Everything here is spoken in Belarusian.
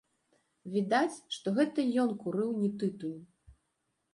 Відаць, што гэта ён курыў не тытунь.